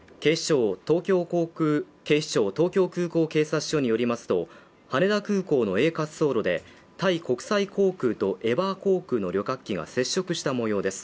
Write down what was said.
警視庁東京空港警察署によりますと、羽田空港のＡ滑走路で、タイ国際航空とエバー航空の旅客機が接触した模様です。